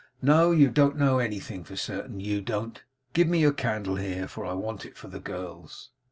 'No. You don't know anything for certain, YOU don't. Give me your candle here. I want it for the gals.